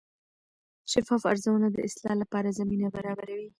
شفاف ارزونه د اصلاح لپاره زمینه برابروي.